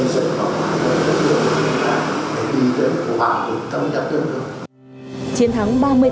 xây dựng và hòa hợp đất nước để đi đến hòa bình thống nhất đất nước